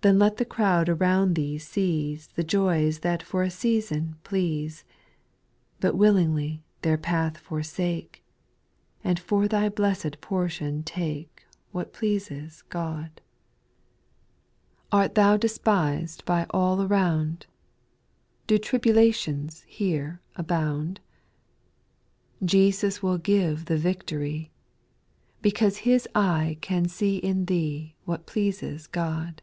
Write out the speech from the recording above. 7. Then let the crowd around thee seize The joys that for a season please. But willingly their path forsake^ And for thy blessed poT^oxi \si>8A What \Aea.^e«. ^Q^ 288 SPIRITUAL SC NQ8, 8. Art thou despised by all around ? Do tribulations here abound ? Jesus will give the victory, Because His eye can see in thee What pleases God.